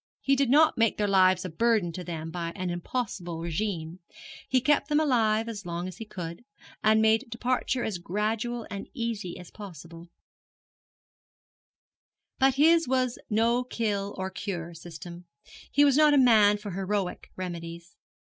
He did not make their lives a burden to them by an impossible regimen: he kept them alive as long as he could, and made departure as gradual and as easy as possible; but his was no kill or cure system; he was not a man for heroic remedies.